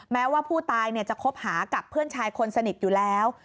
แม้ว่าผู้ตายจะคบหากับเพื่อนชายคนสนิทอยู่แล้ว